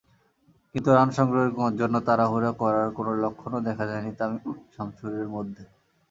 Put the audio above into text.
কিন্তু রান সংগ্রহের জন্য তাড়াহুড়া করার কোনো লক্ষণও দেখা যায়নি তামিম-শামসুরের মধ্যে।